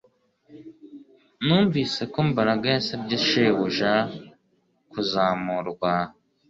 Numvise ko Mbaraga yasabye shebuja kuzamurwa